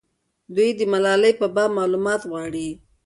دوی د ملالۍ په باب معلومات غواړي.